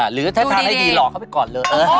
หรือถ้าทางให้ดีหลอกเข้าไปก่อนเลย